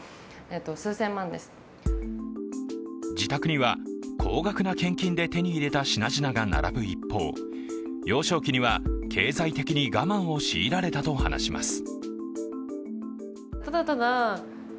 自宅には高額な献金で手に入れた品々が並ぶ一方、幼少期には経済的に我慢を強いられたと話します。